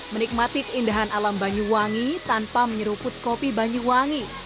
menikmati keindahan alam banyuwangi tanpa menyeruput kopi banyuwangi